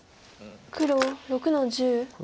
黒６の十。